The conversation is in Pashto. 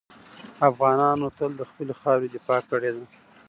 افغانانو تل د خپلې خاورې دفاع کړې ده.